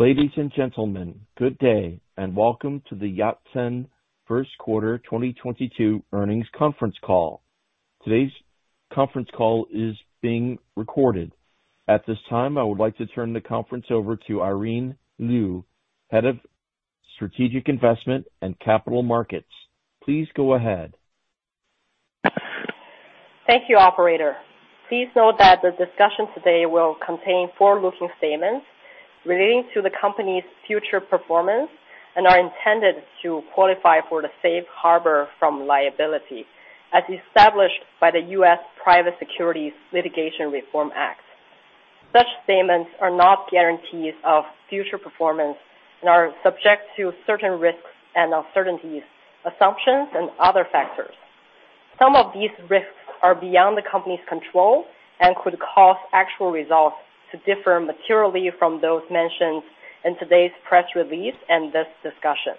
Ladies and gentlemen, good day, and welcome to the Yatsen first quarter 2022 earnings conference call. Today's conference call is being recorded. At this time, I would like to turn the conference over to Irene Lyu, Head of Strategic Investment and Capital Markets. Please go ahead. Thank you, operator. Please note that the discussion today will contain forward-looking statements relating to the company's future performance and are intended to qualify for the safe harbor from liability as established by the US Private Securities Litigation Reform Act. Such statements are not guarantees of future performance and are subject to certain risks and uncertainties, assumptions, and other factors. Some of these risks are beyond the company's control and could cause actual results to differ materially from those mentioned in today's press release and this discussion.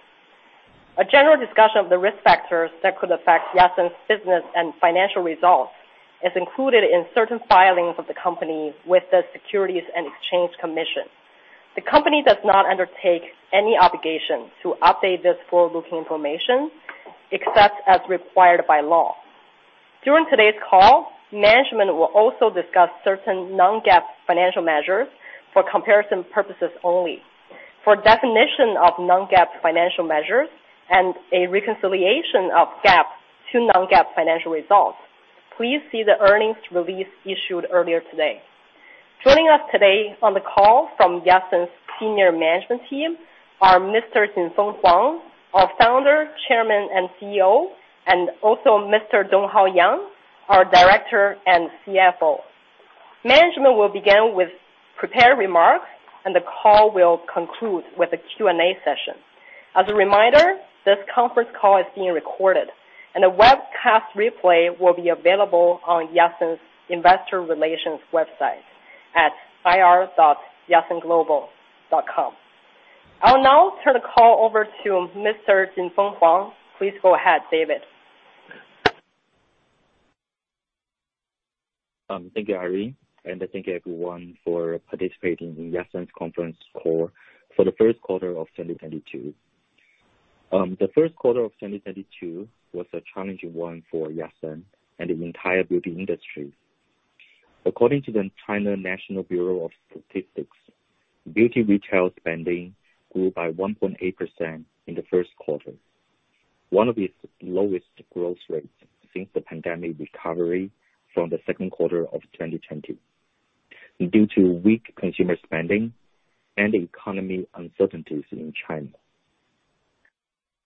A general discussion of the risk factors that could affect Yatsen's business and financial results is included in certain filings of the company with the Securities and Exchange Commission. The company does not undertake any obligation to update this forward-looking information except as required by law. During today's call, management will also discuss certain non-GAAP financial measures for comparison purposes only. For definition of non-GAAP financial measures and a reconciliation of GAAP to non-GAAP financial results, please see the earnings release issued earlier today. Joining us today on the call from Yatsen's senior management team are Mr. Jinfeng Huang, our Founder, Chairman, and CEO, and also Mr. Donghao Yang, our Director and CFO. Management will begin with prepared remarks and the call will conclude with a Q&A session. As a reminder, this conference call is being recorded and a webcast replay will be available on Yatsen's investor relations website at ir.yatsenglobal.com. I'll now turn the call over to Mr. Jinfeng Huang. Please go ahead, David. Thank you, Irene, and thank you everyone for participating in Yatsen's conference call for the first quarter of 2022. The first quarter of 2022 was a challenging one for Yatsen and the entire beauty industry. According to the National Bureau of Statistics of China, beauty retail spending grew by 1.8% in the first quarter, one of its lowest growth rates since the pandemic recovery from the second quarter of 2020, due to weak consumer spending and economic uncertainties in China.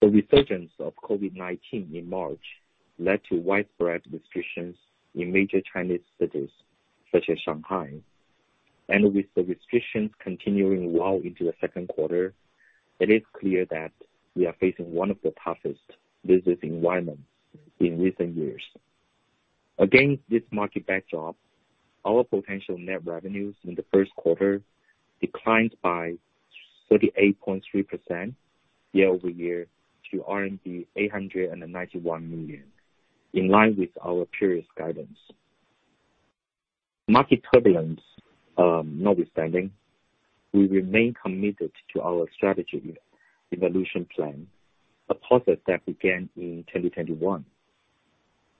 The resurgence of COVID-19 in March led to widespread restrictions in major Chinese cities such as Shanghai. With the restrictions continuing well into the second quarter, it is clear that we are facing one of the toughest business environments in recent years. Against this market backdrop, our total net revenues in the first quarter declined by 38.3% year-over-year to RMB 891 million, in line with our previous guidance. Market turbulence, notwithstanding, we remain committed to our strategy evolution plan, a process that began in 2021.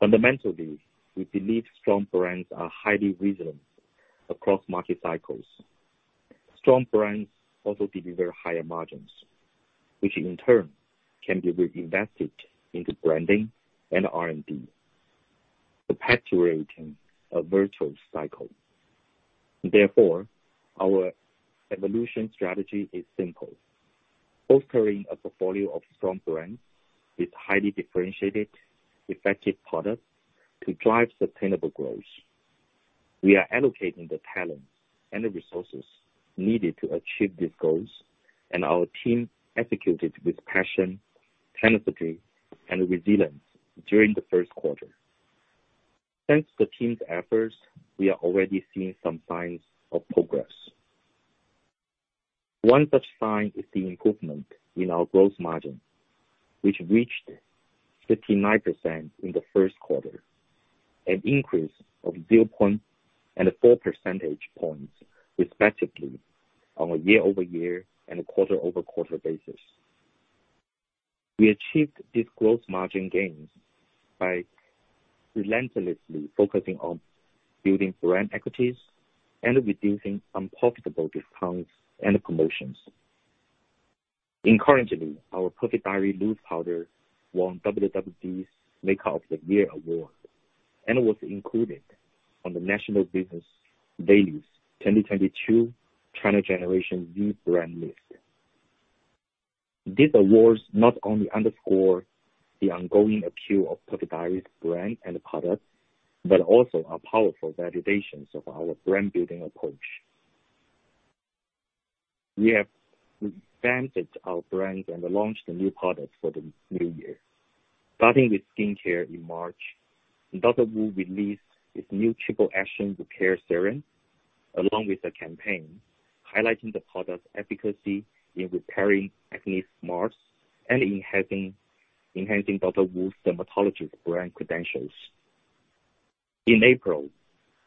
Fundamentally, we believe strong brands are highly resilient across market cycles. Strong brands also deliver higher margins, which in turn can be reinvested into branding and R&D, perpetuating a virtuous cycle. Therefore, our evolution strategy is simple. Positioning a portfolio of strong brands with highly differentiated effective products to drive sustainable growth. We are allocating the talent and the resources needed to achieve these goals, and our team executed with passion, tenacity, and resilience during the first quarter. Thanks to the team's efforts, we are already seeing some signs of progress. One such sign is the improvement in our gross margin, which reached 59% in the first quarter, an increase of 0.4 percentage points respectively on a year-over-year and quarter-over-quarter basis. We achieved this gross margin gains by relentlessly focusing on building brand equities and reducing unprofitable discounts and promotions. Encouragingly, our Perfect Diary loose powder won WWD's Makeup of the Year award and was included on the National Business Daily's 2022 China Generation Z brand list. These awards not only underscore the ongoing appeal of Perfect Diary's brand and product, but also are powerful validations of our brand building approach. We have advanced our brands and launched new products for the new year. Starting with skincare in March, Dr. Wu released its new Triple Action Repair Serum, along with a campaign highlighting the product's efficacy in repairing acne scars and enhancing Dr. Wu's dermatology brand credentials. In April,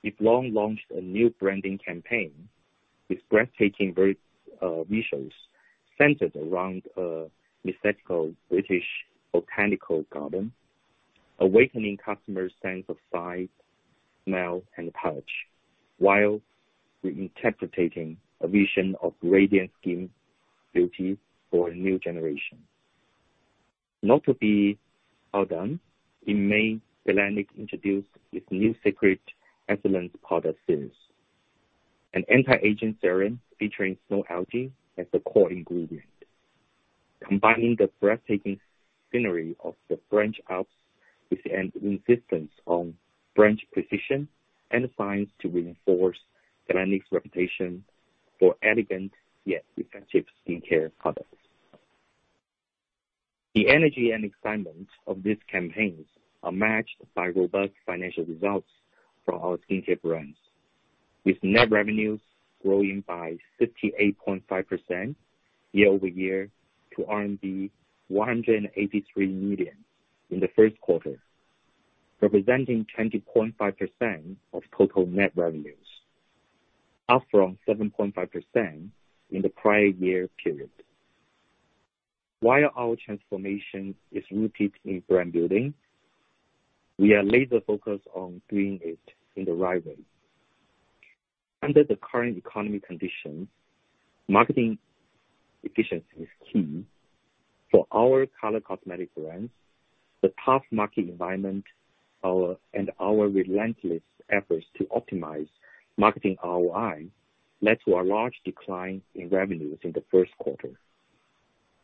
Eve Lom launched a new branding campaign with breathtaking visuals centered around an aesthetical British botanical garden, awakening customers' sense of sight, smell, and touch while reinterpreting a vision of radiant skin beauty for a new generation. Not to be outdone, in May, Galénic introduced its new Snow Algae Serum, an anti-aging serum featuring snow algae as the core ingredient, combining the breathtaking scenery of the French Alps with an insistence on French precision and science to reinforce Galénic's reputation for elegant yet effective skincare products. The energy and excitement of these campaigns are matched by robust financial results for our skincare brands, with net revenues growing by 58.5% year-over-year to RMB 183 million in the first quarter, representing 20.5% of total net revenues, up from 7.5% in the prior year period. While our transformation is rooted in brand building, we are laser focused on doing it in the right way. Under the current economic conditions, marketing efficiency is key. For our color cosmetic brands, the tough market environment and our relentless efforts to optimize marketing ROI led to a large decline in revenues in the first quarter.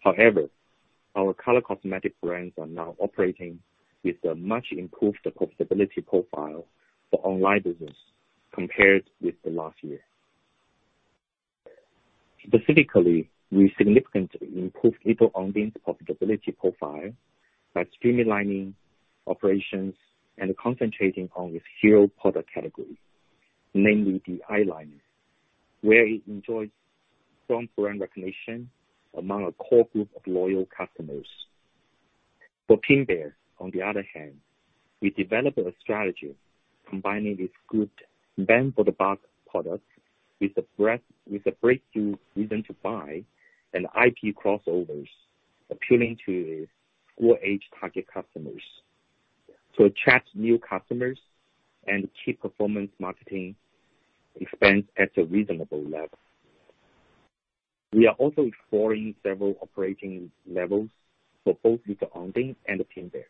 However, our color cosmetic brands are now operating with a much improved profitability profile for online business compared with the last year. Specifically, we significantly improved Perfect Diary profitability profile by streamlining operations and concentrating on its hero product categories, namely the eyeliner, where it enjoys strong brand recognition among a core group of loyal customers. For Pink Bear, on the other hand, we developed a strategy combining its good bang-for-the-buck product with a breakthrough reason to buy and IP crossovers appealing to school-age target customers to attract new customers and keep performance marketing expense at a reasonable level. We are also exploring several operating levers for both Perfect Diary and Pink Bear,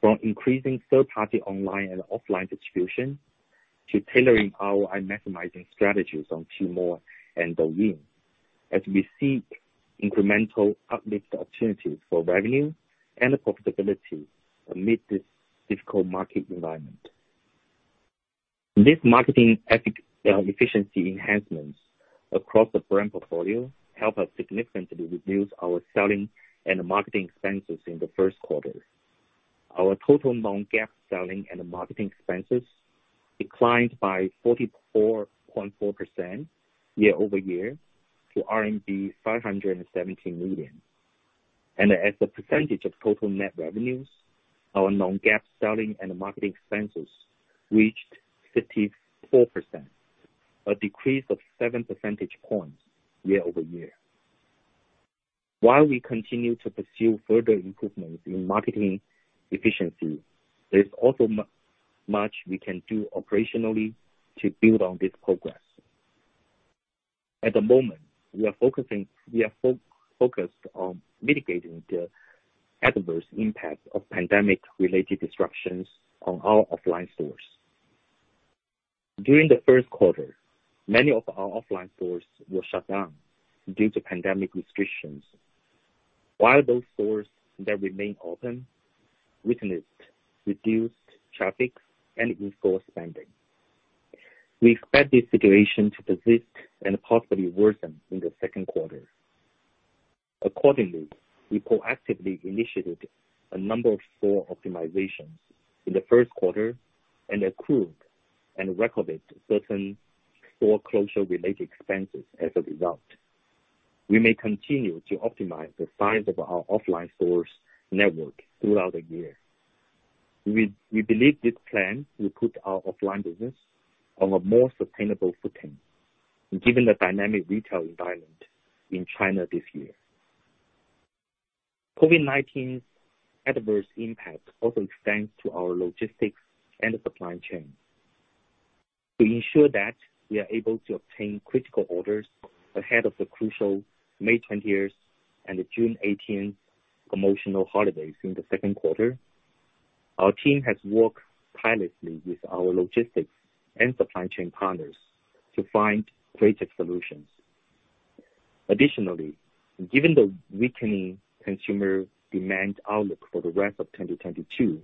from increasing third-party online and offline distribution to tailoring our maximizing strategies on Tmall and Douyin as we seek incremental uplift opportunities for revenue and profitability amid this difficult market environment. These marketing efficiency enhancements across the brand portfolio help us significantly reduce our selling and marketing expenses in the first quarter. Our total non-GAAP selling and marketing expenses declined by 44.4% year-over-year to RMB 517 million. As a percentage of total net revenues, our non-GAAP selling and marketing expenses reached 54%, a decrease of 7 percentage points year-over-year. While we continue to pursue further improvements in marketing efficiency, there's also much we can do operationally to build on this progress. At the moment, we are focusing on mitigating the adverse impact of pandemic related disruptions on our offline stores. During the first quarter, many of our offline stores were shut down due to pandemic restrictions. While those stores that remain open witnessed reduced traffic and in-store spending. We expect this situation to persist and possibly worsen in the second quarter. Accordingly, we proactively initiated a number of store optimizations in the first quarter and accrued and recorded certain store-closure-related expenses as a result. We may continue to optimize the size of our offline stores network throughout the year. We believe this plan will put our offline business on a more sustainable footing given the dynamic retail environment in China this year. COVID-19's adverse impact also extends to our logistics and supply chain. To ensure that we are able to obtain critical orders ahead of the crucial May twentieth and June eighteenth promotional holidays in the second quarter, our team has worked tirelessly with our logistics and supply chain partners to find creative solutions. Additionally, given the weakening consumer demand outlook for the rest of 2022,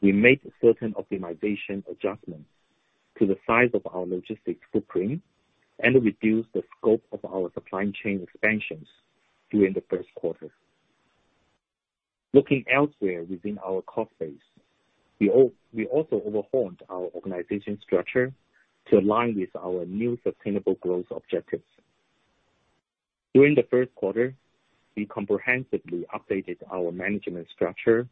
we made certain optimization adjustments to the size of our logistics footprint and reduced the scope of our supply chain expansions during the first quarter. Looking elsewhere within our cost base, we also overhauled our organization structure to align with our new sustainable growth objectives. During the first quarter, we comprehensively updated our management structure,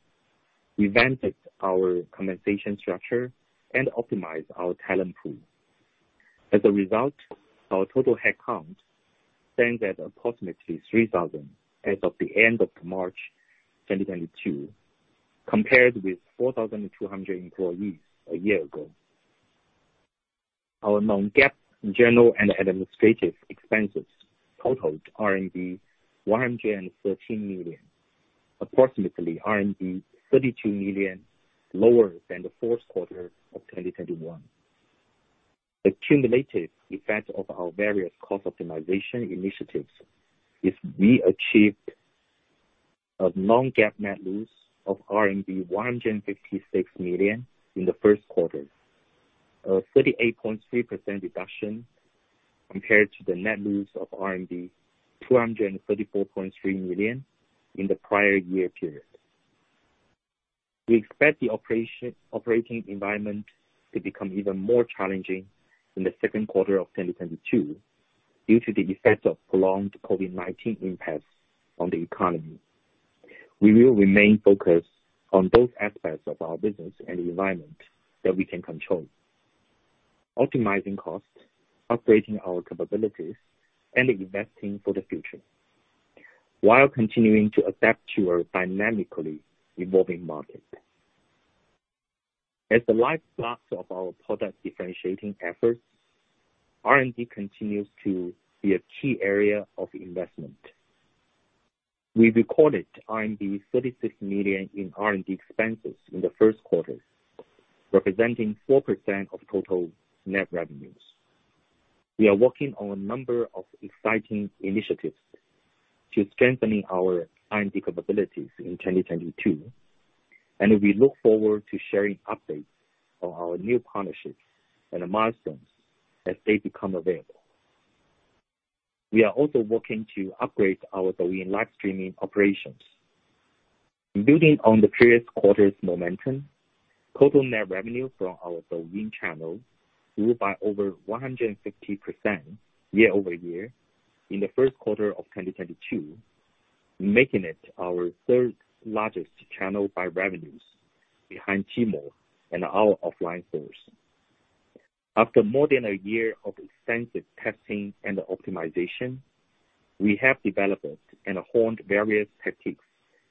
revamped our compensation structure, and optimized our talent pool. As a result, our total headcount stands at approximately 3,000 as of the end of March 2022, compared with 4,200 employees a year ago. Our non-GAAP general and administrative expenses totaled RMB 113 million, approximately RMB 32 million lower than the fourth quarter of 2021. The cumulative effect of our various cost optimization initiatives is we achieved a non-GAAP net loss of RMB 156 million in the first quarter, a 38.3% reduction compared to the net loss of RMB 234.3 million in the prior year period. We expect the operating environment to become even more challenging in the second quarter of 2022 due to the effect of prolonged COVID-19 impact on the economy. We will remain focused on those aspects of our business and environment that we can control, optimizing costs, upgrading our capabilities, and investing for the future while continuing to adapt to a dynamically evolving market. As the lifeblood of our product differentiating efforts, R&D continues to be a key area of investment. We recorded RMB 36 million in R&D expenses in the first quarter, representing 4% of total net revenues. We are working on a number of exciting initiatives to strengthening our R&D capabilities in 2022, and we look forward to sharing updates on our new partnerships and milestones as they become available. We are also working to upgrade our Douyin live streaming operations. Building on the previous quarter's momentum, total net revenue from our Douyin channel grew by over 150% year over year in the first quarter of 2022, making it our third largest channel by revenues behind Tmall and our offline stores. After more than a year of extensive testing and optimization, we have developed and honed various techniques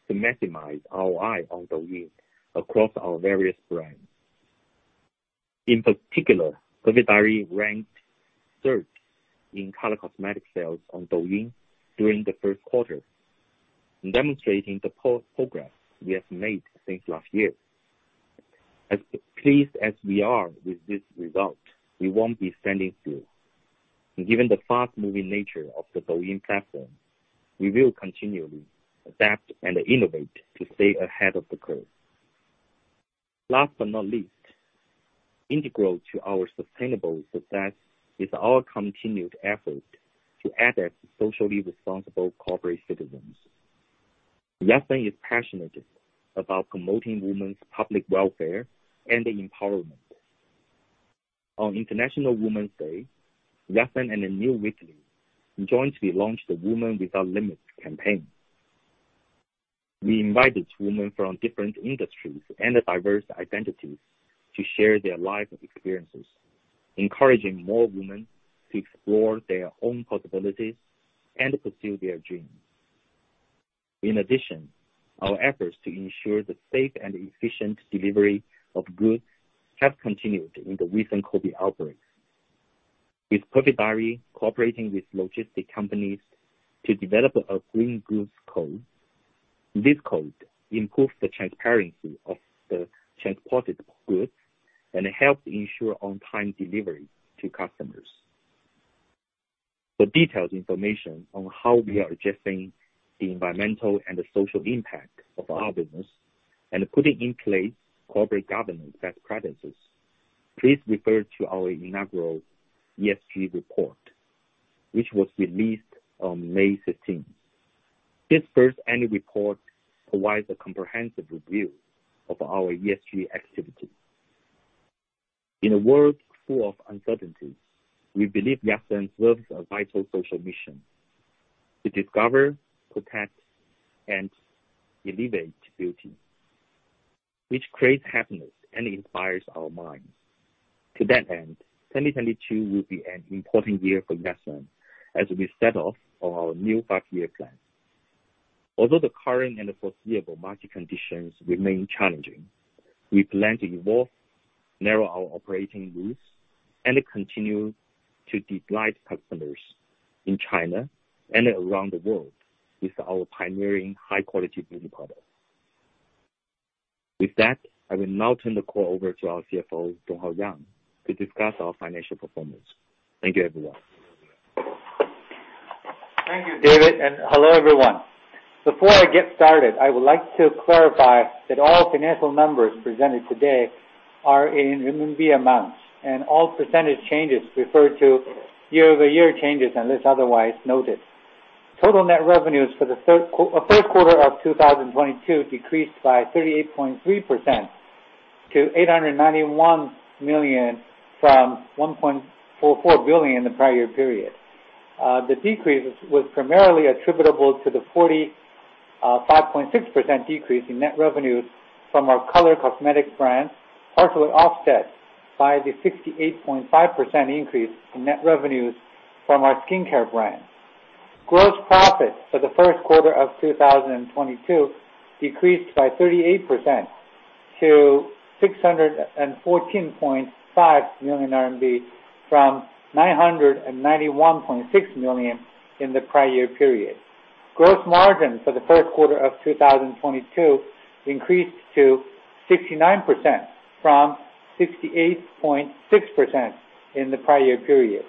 to maximize ROI on Douyin across our various brands. In particular, Perfect Diary ranked third in color cosmetic sales on Douyin during the first quarter, demonstrating the progress we have made since last year. As pleased as we are with this result, we won't be standing still. Given the fast-moving nature of the Douyin platform, we will continually adapt and innovate to stay ahead of the curve. Last but not least, integral to our sustainable success is our continued effort to act as socially responsible corporate citizens. Yatsen is passionate about promoting women's public welfare and empowerment. On International Women's Day, Yatsen and New Weekly jointly launched the Women Without Limits campaign. We invited women from different industries and diverse identities to share their life experiences, encouraging more women to explore their own possibilities and pursue their dreams. In addition, our efforts to ensure the safe and efficient delivery of goods have continued in the recent COVID-19 outbreaks, with Perfect Diary cooperating with logistics companies to develop a green goods code. This code improves the transparency of the transported goods and helps ensure on-time delivery to customers. For detailed information on how we are addressing the environmental and social impact of our business and putting in place corporate governance best practices, please refer to our inaugural ESG report, which was released on May fifteenth. This first annual report provides a comprehensive review of our ESG activities. In a world full of uncertainties, we believe Yatsen serves a vital social mission: To discover, protect, and elevate beauty, which creates happiness and inspires our minds. To that end, 2022 will be an important year for Yatsen as we set off on our new five-year plan. Although the current and foreseeable market conditions remain challenging, we plan to evolve, narrow our operating routes, and continue to delight customers in China and around the world with our pioneering high-quality beauty products. With that, I will now turn the call over to our CFO, Donghao Yang, to discuss our financial performance. Thank you, everyone. Thank you, David, and hello, everyone. Before I get started, I would like to clarify that all financial numbers presented today are in RMB amounts, and all percentage changes refer to year-over-year changes, unless otherwise noted. Total net revenues for the first quarter of 2022 decreased by 38.3% to 891 million from 1.44 billion in the prior year period. The decrease was primarily attributable to the 45.6% decrease in net revenues from our color cosmetics brand, partially offset by the 68.5% increase in net revenues from our skincare brand. Gross profit for the first quarter of 2022 decreased by 38% to 614.5 million RMB from 991.6 million in the prior year period. Gross margin for the first quarter of 2022 increased to 69% from 68.6% in the prior year period.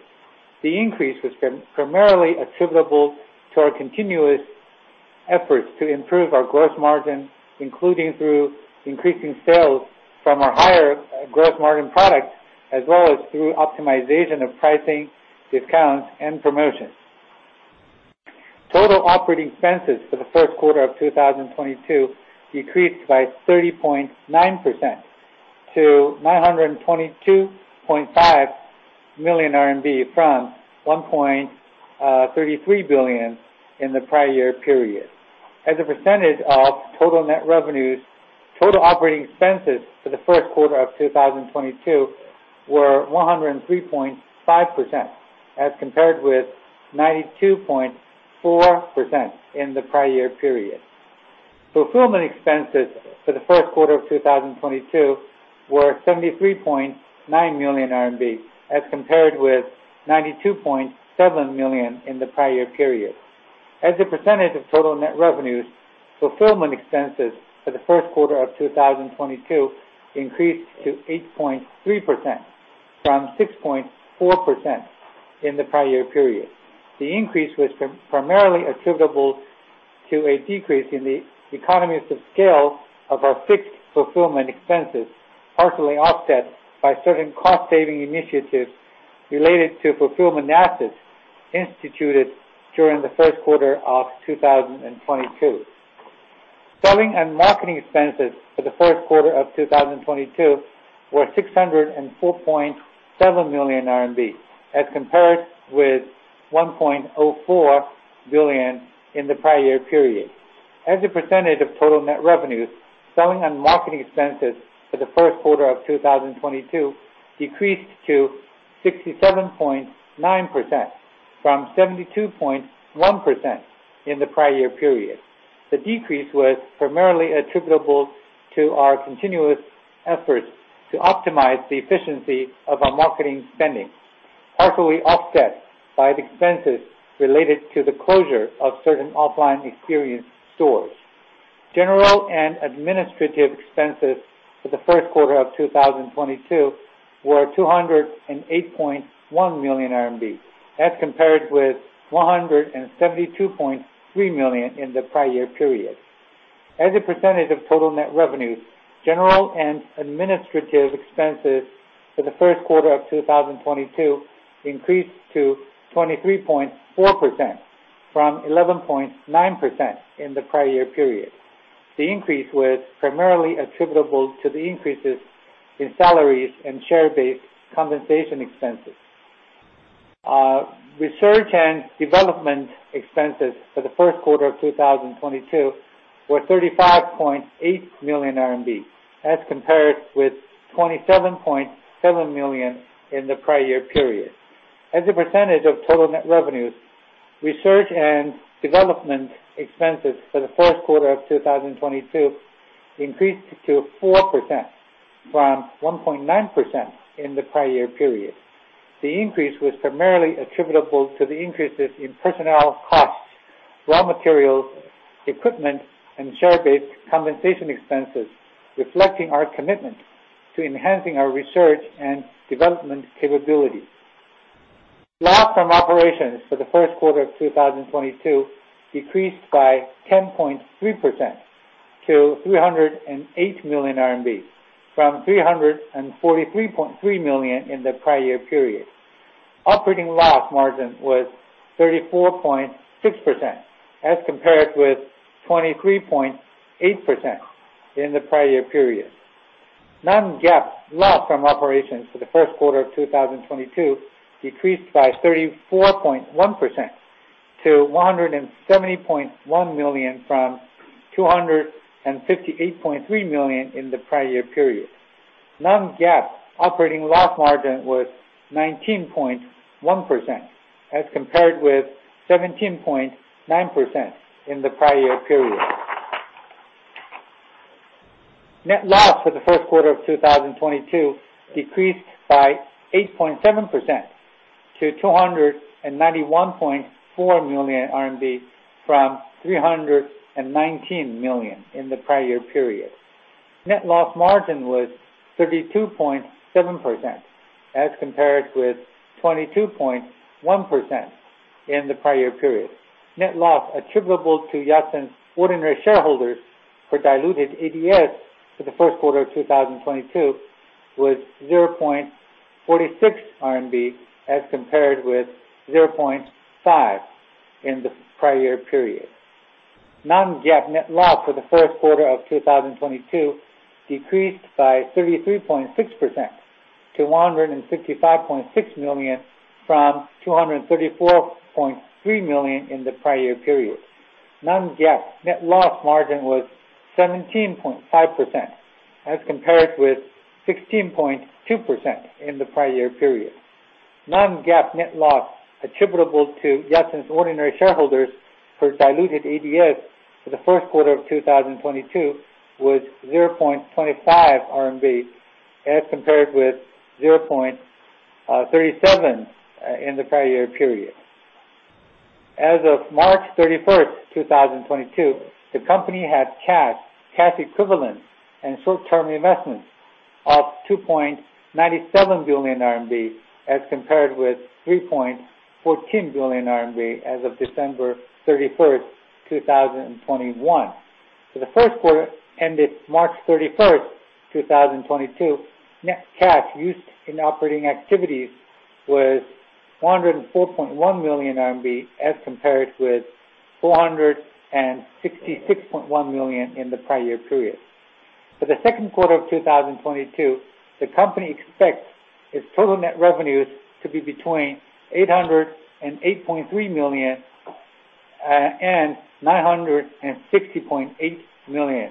The increase was primarily attributable to our continuous efforts to improve our gross margin, including through increasing sales from our higher gross margin products, as well as through optimization of pricing, discounts, and promotions. Total operating expenses for the first quarter of 2022 decreased by 30.9% to 922.5 million RMB from 1.33 billion in the prior year period. As a percentage of total net revenues, total operating expenses for the first quarter of 2022 were 103.5% as compared with 92.4% in the prior year period. Fulfillment expenses for the first quarter of 2022 were 73.9 million RMB as compared with 92.7 million in the prior year period. As a percentage of total net revenues, fulfillment expenses for the first quarter of 2022 increased to 8.3% from 6.4% in the prior year period. The increase was primarily attributable to a decrease in the economies of scale of our fixed fulfillment expenses, partially offset by certain cost saving initiatives related to fulfillment assets instituted during the first quarter of 2022. Selling and marketing expenses for the first quarter of 2022 were 604.7 million RMB as compared with 1.04 billion in the prior year period. As a percentage of total net revenues, selling and marketing expenses for the first quarter of 2022 decreased to 67.9% from 72.1% in the prior year period. The decrease was primarily attributable to our continuous efforts to optimize the efficiency of our marketing spending, partially offset by the expenses related to the closure of certain offline experience stores. General and administrative expenses for the first quarter of 2022 were 208.1 million RMB as compared with 172.3 million in the prior year period. As a percentage of total net revenues, general and administrative expenses for the first quarter of 2022 increased to 23.4% from 11.9% in the prior year period. The increase was primarily attributable to the increases in salaries and share-based compensation expenses. Research and development expenses for the first quarter of 2022 were 35.8 million RMB as compared with 27.7 million in the prior year period. As a percentage of total net revenues, research and development expenses for the first quarter of 2022 increased to 4% from 1.9% in the prior year period. The increase was primarily attributable to the increases in personnel costs, raw materials, equipment, and share-based compensation expenses, reflecting our commitment to enhancing our research and development capabilities. Loss from operations for the first quarter of 2022 decreased by 10.3% to 308 million RMB from 343.3 million in the prior year period. Operating loss margin was 34.6% as compared with 23.8% in the prior year period. Non-GAAP loss from operations for the first quarter of 2022 decreased by 34.1% to 170.1 million from 258.3 million in the prior year period. Non-GAAP operating loss margin was 19.1% as compared with 17.9% in the prior year period. Net loss for the first quarter of 2022 decreased by 8.7% to 291.4 million RMB from 319 million in the prior year period. Net loss margin was 32.7% as compared with 22.1% in the prior year period. Net loss attributable to Yatsen ordinary shareholders per diluted ADS for the first quarter of 2022 was 0.46 RMB, as compared with 0.5 in the prior year period. Non-GAAP net loss for the first quarter of 2022 decreased by 33.6% to 165.6 million, from 234.3 million in the prior period. Non-GAAP net loss margin was 17.5%, as compared with 16.2% in the prior year period. Non-GAAP net loss attributable to Yatsen ordinary shareholders per diluted ADS for the first quarter of 2022 was 0.25 RMB, as compared with 0.37 in the prior year period. As of March 31, 2022, the company had cash equivalents and short-term investments of 2.97 billion RMB, as compared with 3.14 billion RMB as of December 31, 2021. For the first quarter ended March 31, 2022, net cash used in operating activities was 104.1 million RMB as compared with 466.1 million in the prior year period. For the second quarter of 2022, the company expects its total net revenues to be between 808.3 million and 960.8 million,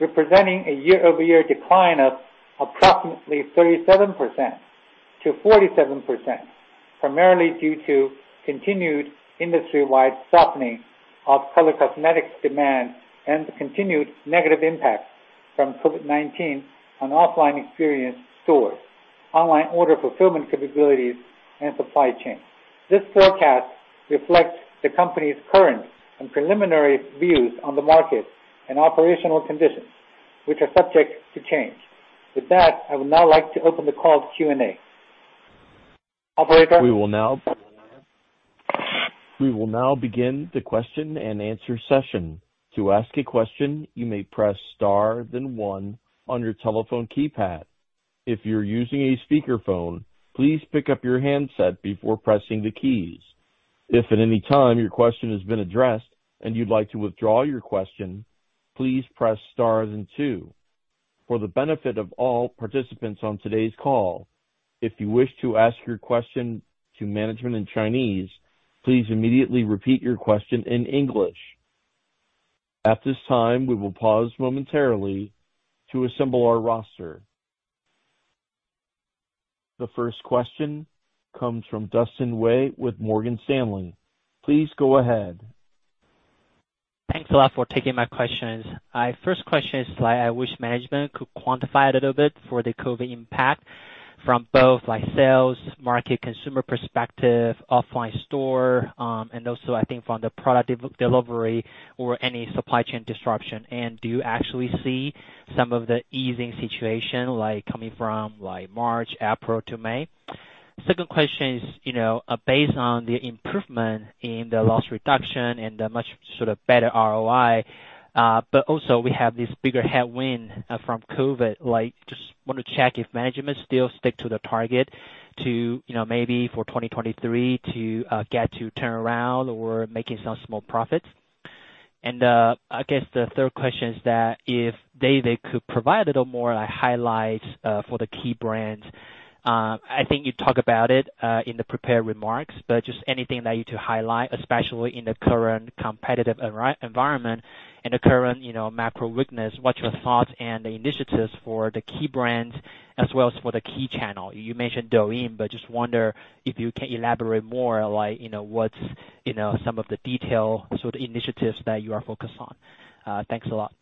representing a year-over-year decline of approximately 37%-47%, primarily due to continued industry-wide softening of color cosmetics demand and the continued negative impacts from COVID-19 on offline experience stores, online order fulfillment capabilities and supply chain. This forecast reflects the company's current and preliminary views on the market and operational conditions, which are subject to change. With that, I would now like to open the call to Q&A. Operator? We will now begin the question and answer session. To ask a question, you may press star then one on your telephone keypad. If you're using a speakerphone, please pick up your handset before pressing the keys. If at any time your question has been addressed and you'd like to withdraw your question, please press star then two. For the benefit of all participants on today's call, if you wish to ask your question to management in Chinese, please immediately repeat your question in English. At this time, we will pause momentarily to assemble our roster. The first question comes from Dustin Wei with Morgan Stanley. Please go ahead. Thanks a lot for taking my questions. My first question is, like, I wish management could quantify a little bit for the COVID impact from both like sales, market, consumer perspective, offline store, and also I think from the product delivery or any supply chain disruption. Do you actually see some of the easing situation like coming from like March, April to May? Second question is, you know, based on the improvement in the loss reduction and the much sort of better ROI, but also we have this bigger headwind, from COVID. Like, just want to check if management still stick to the target to, you know, maybe for 2023 to, get to turn around or making some small profits. I guess the third question is that if David could provide a little more, like, highlights, for the key brands. I think you talk about it in the prepared remarks, but just anything that you to highlight, especially in the current competitive environment and the current, you know, macro weakness. What's your thoughts and the initiatives for the key brands as well as for the key channel? You mentioned Douyin, but just wonder if you can elaborate more, like, you know, what's, you know, some of the detail sort of initiatives that you are focused on. Thanks a lot.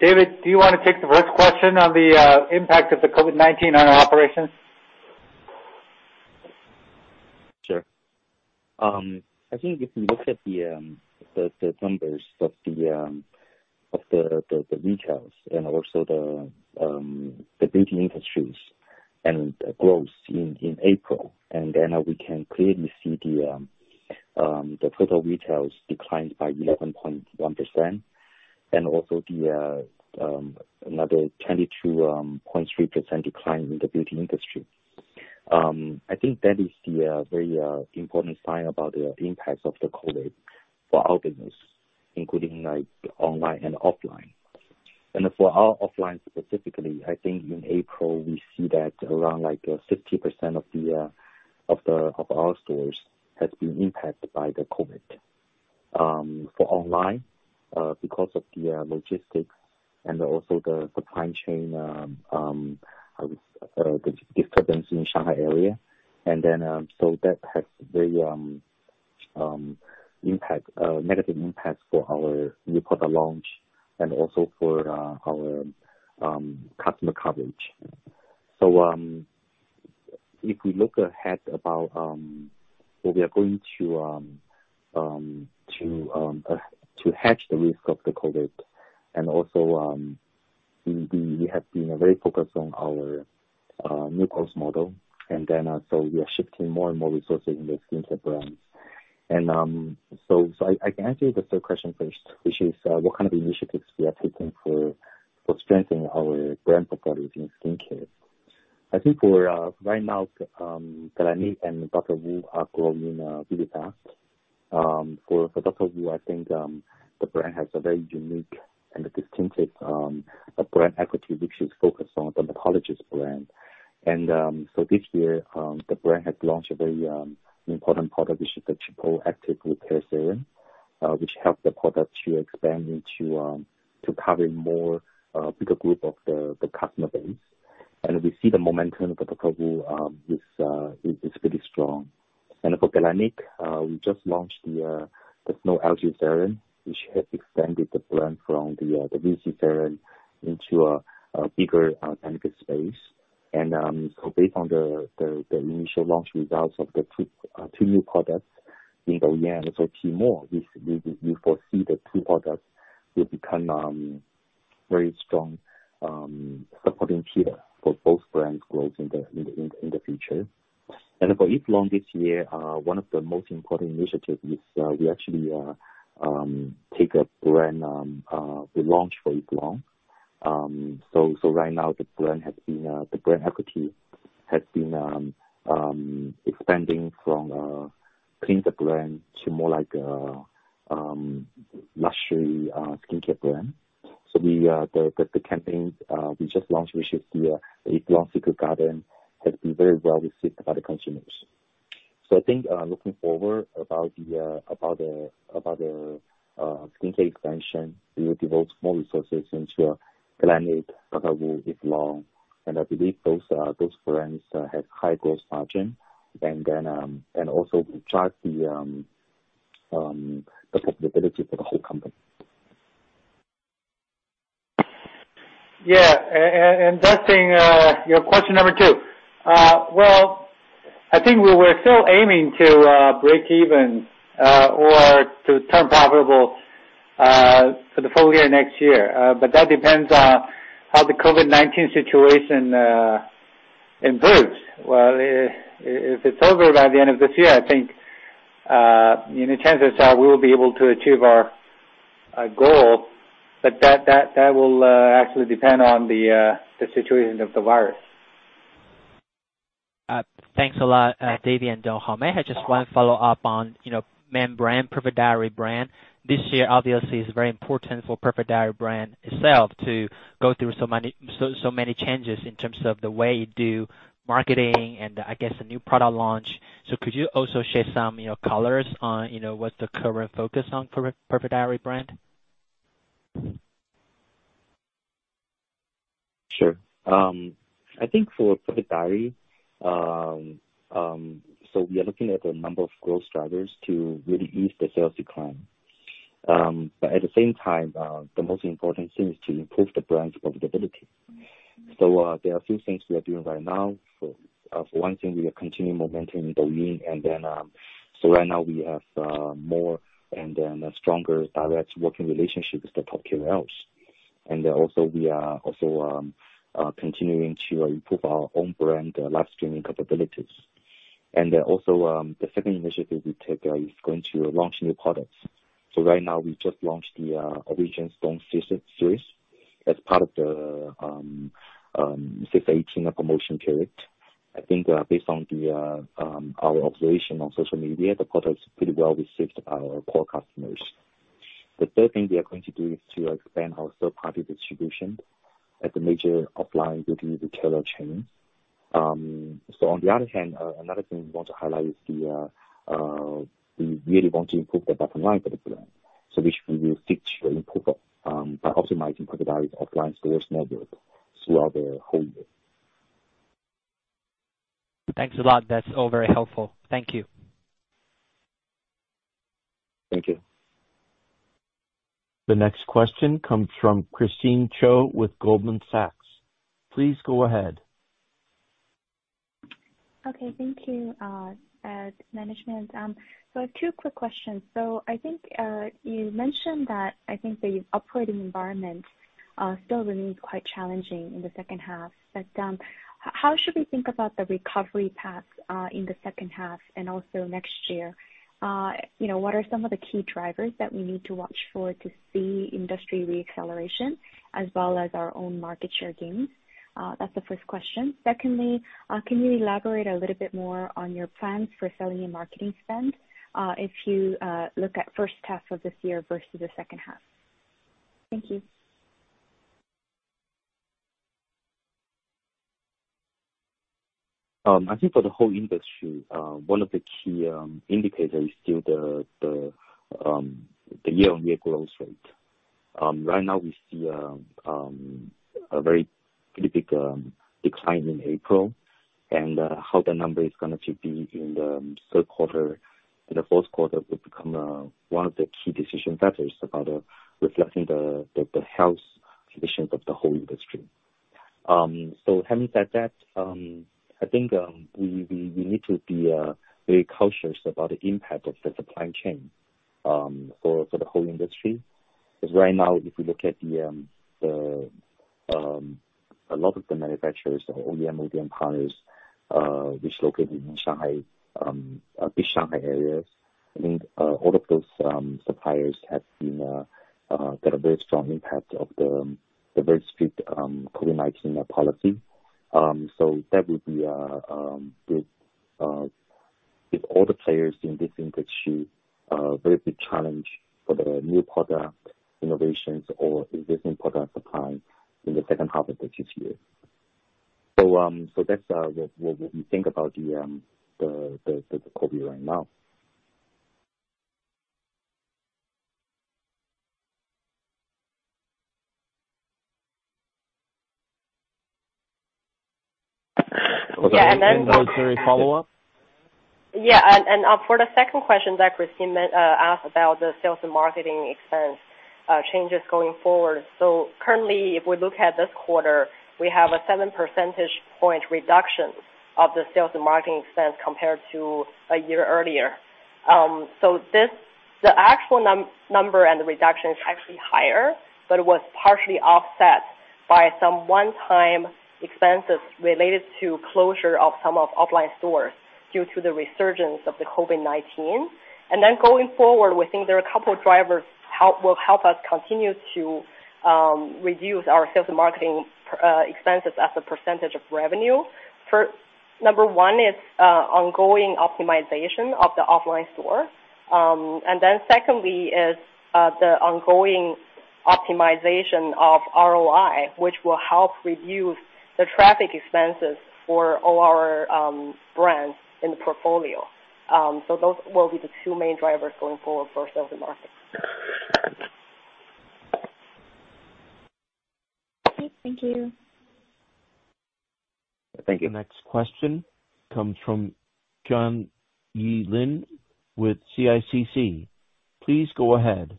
David, do you wanna take the first question on the impact of the COVID-19 on our operations? Sure. I think if you look at the numbers of the retail sales and also the beauty industries and growth in April, and then we can clearly see the total retail sales declined by 11.1% and also another 22.3% decline in the beauty industry. I think that is the very important sign about the impact of the COVID-19 for our business, including like online and offline. For our offline specifically, I think in April, we see that around like 50% of our stores has been impacted by the COVID-19. For online, because of the logistics and also the supply chain disturbance in Shanghai area. That has very negative impact for our new product launch and also for our customer coverage. If we look ahead about what we are going to hedge the risk of the COVID-19 and also we have been very focused on our new cost model. We are shifting more and more resources in the skincare brands. I can answer the third question first, which is what kind of initiatives we are taking for strengthening our brand properties in skincare. I think for right now, Galénic and Dr. Wu are growing really fast. For Dr. Wu, I think, the brand has a very unique and distinctive brand equity, which is focused on dermatologist brand. This year, the brand has launched a very important product, which is the Triple Action Repair Serum, which helped the product to expand into to cover more bigger group of the customer base. We see the momentum of Dr. Wu is pretty strong. For Galénic, we just launched the Snow Algae Serum, which has extended the brand from the VC Serum into a bigger category space. Based on the initial launch results of the two new products in the, we foresee the two products will become very strong supporting here for both brands growth in the future. For Eve Lom this year, one of the most important initiatives is we actually take a brand we launched for Eve Lom. Right now the brand equity has been expanding from a cleaner brand to more like luxury skincare brand. The campaigns we just launched, which is the Eve Lom Secret Garden, has been very well received by the consumers. I think looking forward about the skincare expansion, we will devote more resources into Galénic, Dr. Wu, Eve Lom, and I believe those brands have high gross margin and also drive the profitability for the whole company. That thing, your question number two. Well, I think we were still aiming to break even or to turn profitable for the full year next year. That depends on how the COVID-19 situation improves. Well, if it's over by the end of this year, I think you know, chances are we will be able to achieve our goal, but that will actually depend on the situation of the virus. Thanks a lot, David and Donghao. May I just one follow up on, you know, main brand, Perfect Diary brand. This year obviously is very important for Perfect Diary brand itself to go through so many changes in terms of the way you do marketing and I guess a new product launch. Could you also share some, you know, colors on, you know, what's the current focus on Perfect Diary brand? Sure. I think for Perfect Diary, we are looking at a number of growth drivers to really ease the sales decline. At the same time, the most important thing is to improve the brand's profitability. There are a few things we are doing right now. For one thing, we are continuing momentum in Douyin. Right now we have more and a stronger direct working relationship with the top KOLs. We are continuing to improve our own brand live streaming capabilities. The second initiative we take is going to launch new products. Right now, we just launched the Origin Stone Sea Salt series as part of the 6-18 promotion period. I think based on our observation on social media, the product is pretty well received by our core customers. The third thing we are going to do is to expand our third-party distribution at the major offline beauty retailer chains. On the other hand, another thing we want to highlight is we really want to improve the bottom line for the brand. Which we will seek to improve by optimizing Perfect Diary's offline stores network throughout the whole year. Thanks a lot. That's all very helpful. Thank you. Thank you. The next question comes from Christine Cho with Goldman Sachs. Please go ahead. Okay. Thank you, management. I have two quick questions. I think you mentioned that I think the operating environment still remains quite challenging in the second half. How should we think about the recovery path in the second half and also next year? You know, what are some of the key drivers that we need to watch for to see industry re-acceleration as well as our own market share gains? That's the first question. Secondly, can you elaborate a little bit more on your plans for selling and marketing spend if you look at first half of this year versus the second half? Thank you. I think for the whole industry, one of the key indicators is still the year-on-year growth rate. Right now we see a very pretty big decline in April, and how the number is gonna to be in the third quarter and the fourth quarter will become one of the key decision factors about reflecting the health conditions of the whole industry. Having said that, I think we need to be very cautious about the impact of the supply chain. For the whole industry, because right now if you look at a lot of the manufacturers or OEM, ODM partners, which located in Shanghai, the Shanghai areas, I mean, all of those suppliers have got a very strong impact of the very strict COVID-19 policy. That would be the if all the players in this industry very big challenge for the new product innovations or existing product supply in the second half of this year. That's what we think about the COVID right now. Yeah. follow-up? For the second question that Christine asked about the sales and marketing expense changes going forward. Currently if we look at this quarter, we have a 7 percentage point reduction of the sales and marketing expense compared to a year earlier. The actual number and the reduction is actually higher, but it was partially offset by some one-time expenses related to closure of some offline stores due to the resurgence of the COVID-19. Going forward, we think there are a couple of drivers will help us continue to reduce our sales and marketing expenses as a percentage of revenue. Number one is ongoing optimization of the offline store. Secondly, the ongoing optimization of ROI, which will help reduce the traffic expenses for all our brands in the portfolio. Those will be the two main drivers going forward for sales and marketing. Okay, thank you. Thank you. Next question comes from Lin Zhang with CITIC Securities. Please go ahead.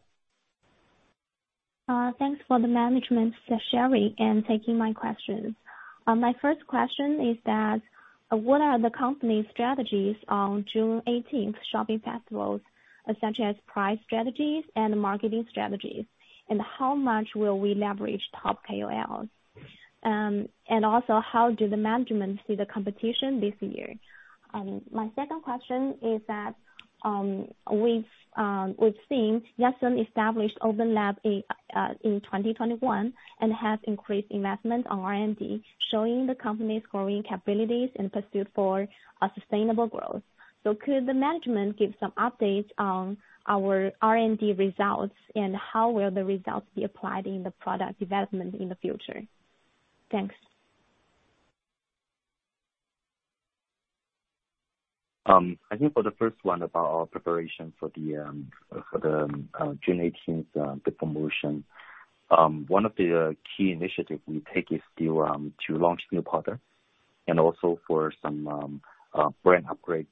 Thanks to the management, Irene, for taking my questions. My first question is that what are the company's strategies on June 18 shopping festivals, such as price strategies and marketing strategies, and how much will we leverage top KOLs? How do the management see the competition this year? My second question is that we've seen Yatsen established Open Lab in 2021 and have increased investment on R&D, showing the company's growing capabilities and pursuit for a sustainable growth. Could the management give some updates on our R&D results and how will the results be applied in the product development in the future? Thanks. I think for the first one about our preparation for the June 18 big promotion, one of the key initiatives we take is to launch new product and also for some brand upgrade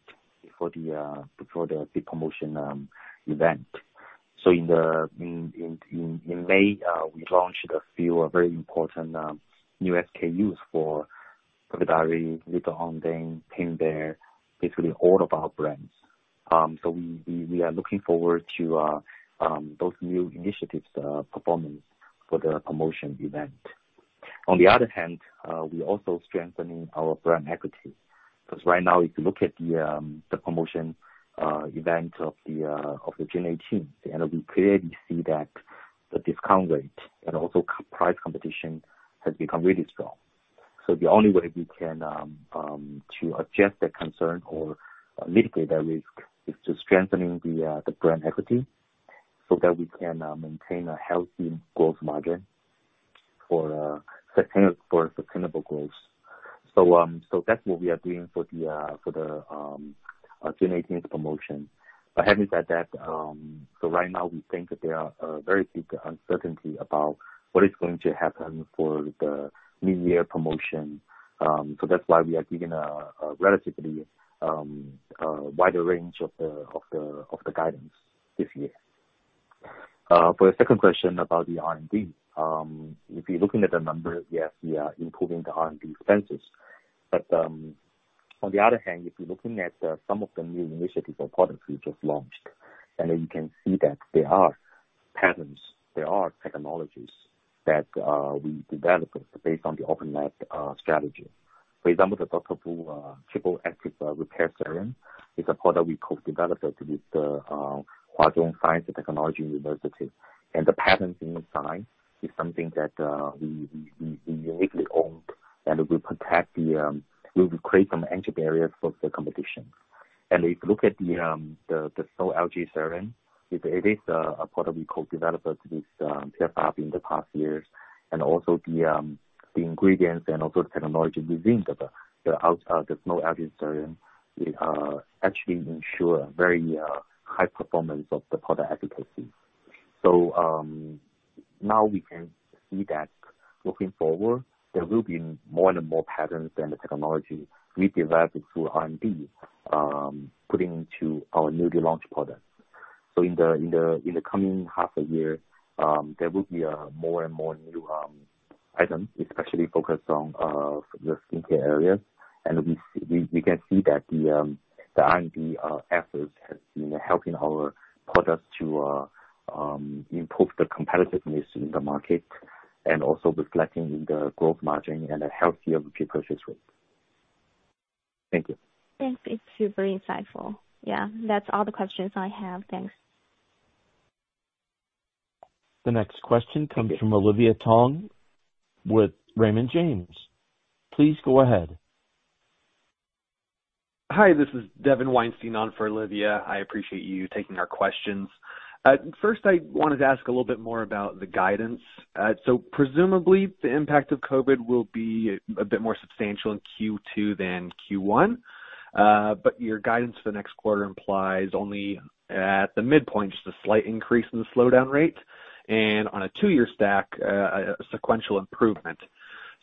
before the big promotion event. In May, we launched a few very important new SKUs for the Perfect Diary, Little Ondine, Pink Bear, basically all of our brands. We are looking forward to those new initiatives performance for the promotion event. On the other hand, we're also strengthening our brand equity, 'cause right now if you look at the promotion event of the June eighteenth, and we clearly see that the discount rate and also price competition has become really strong. The only way we can to adjust that concern or mitigate that risk is to strengthening the brand equity so that we can maintain a healthy growth margin for sustainable growth. That's what we are doing for the June eighteenth promotion. Having said that, right now we think that there are a very big uncertainty about what is going to happen for the new year promotion. That's why we are giving a relatively wider range of the guidance this year. For the second question about the R&D, if you're looking at the numbers, yes, we are improving the R&D expenses. On the other hand, if you're looking at some of the new initiatives or products we just launched, and then you can see that there are patterns, there are technologies that we developed based on the Open Lab strategy. For example, the Dr. Wu Triple Action Repair Serum is a product we co-developed with Huazhong University of Science and Technology. The patent inside is something that we uniquely own, and we create some entry barriers for the competition. If you look at the Snow Algae Serum, it is a product we co-developed with Pierre Fabre in the past years and also the ingredients and also the technology within the Snow Algae Serum actually ensure very high performance of the product efficacy. Now we can see that looking forward, there will be more and more patents on the technology we developed through R&D putting to our newly launched product. In the coming half a year, there will be more and more new items, especially focused on the skincare areas. We can see that the R&D efforts has been helping our products to improve the competitiveness in the market and also reflecting in the growth margin and a healthier repurchase rate. Thank you. Thanks. It's super insightful. Yeah. That's all the questions I have. Thanks. The next question comes from Olivia Tong with Raymond James. Please go ahead. Hi, this is Devin Weinstein on for Olivia. I appreciate you taking our questions. First I wanted to ask a little bit more about the guidance. Presumably the impact of COVID will be a bit more substantial in Q2 than Q1. Your guidance for the next quarter implies only at the midpoint, just a slight increase in the slowdown rate and on a two-year stack, a sequential improvement.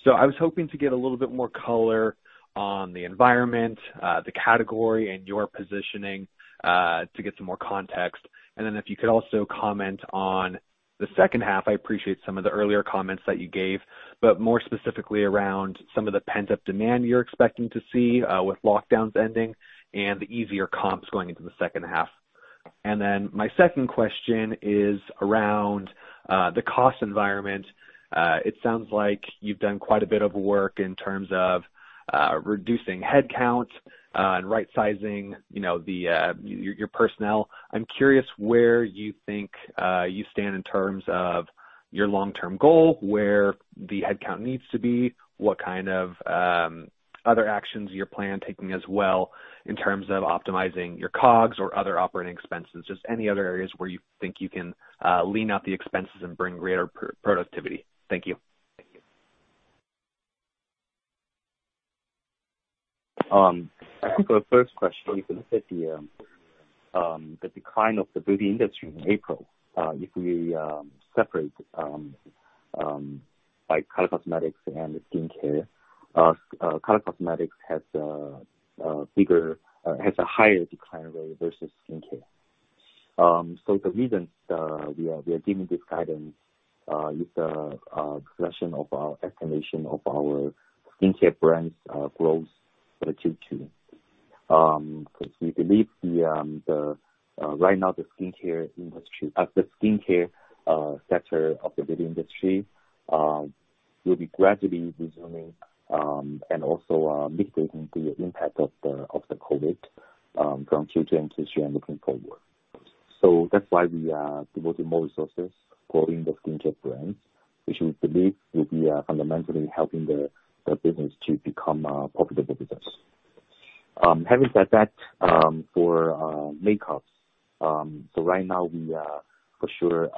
I was hoping to get a little bit more color on the environment, the category and your positioning, to get some more context. If you could also comment on the second half. I appreciate some of the earlier comments that you gave, but more specifically around some of the pent-up demand you're expecting to see, with lockdowns ending and the easier comps going into the second half. My second question is around the cost environment. It sounds like you've done quite a bit of work in terms of reducing headcount and right sizing, you know, your personnel. I'm curious where you think you stand in terms of your long-term goal, where the headcount needs to be, what kind of other actions you plan taking as well in terms of optimizing your COGS or other operating expenses. Just any other areas where you think you can lean out the expenses and bring greater productivity. Thank you. For the first question, you can look at the decline of the beauty industry in April. If we separate like color cosmetics and skincare. Color cosmetics has a higher decline rate versus skincare. The reasons we are giving this guidance is a reflection of our estimation of our skincare brands growth for the Q2. 'Cause we believe right now the skincare sector of the beauty industry will be gradually resuming and also mitigating the impact of the COVID from Q2 into this year and looking forward. That's why we are devoting more resources growing the skincare brands, which we believe will be fundamentally helping the business to become a profitable business. Having said that, for makeup, right now we are for sure,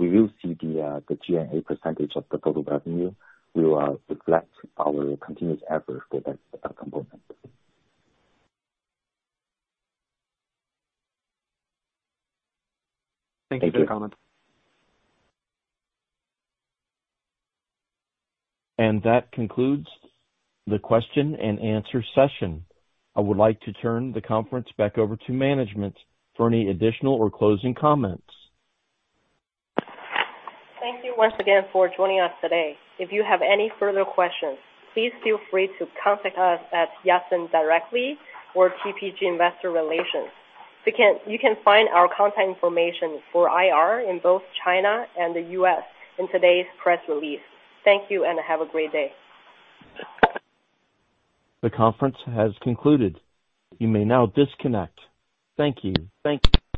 Thank you for your comment. That concludes the question and answer session. I would like to turn the conference back over to management for any additional or closing comments. Thank you once again for joining us today. If you have any further questions, please feel free to contact us at Yatsen directly or TPG, its investor relations firm. You can find our contact information for IR in both China and the US in today's press release. Thank you, and have a great day. The conference has concluded. You may now disconnect. Thank you. Thank you.